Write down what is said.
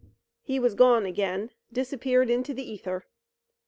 He was gone again, disappeared into the ether.